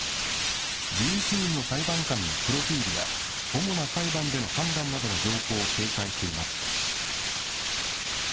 １１人の裁判官のプロフィールや、主な裁判での判断などの情報を掲載しています。